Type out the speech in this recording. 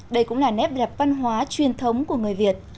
đây cũng là nét đẹp văn hóa truyền thống của người việt